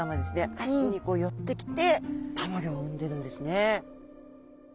アシにこう寄ってきてたまギョを産んでるんですね。